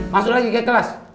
masuk lagi ke kelas